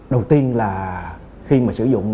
đầu tiên là khi mà sử dụng